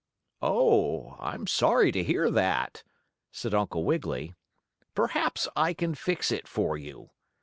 "Oh, I'm sorry to hear that," said Uncle Wiggily. "Perhaps I can fix it for you.